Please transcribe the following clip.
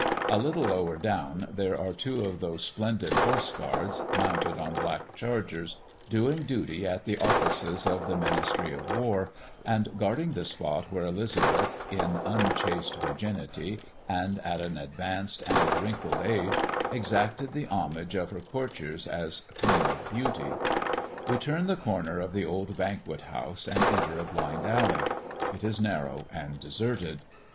A little lower down there are two of those splendid Horse Guards, mounted on black chargers, doing duty at the offices of the Ministry of War, and guarding the spot where Elizabeth, in unchaste virginity, and at an advanced and wrinkled age, exacted the homage of her courtiers as Queen of Beauty. We turn the corner of the old Banquet house and enter a blind alley it is narrow and deserted.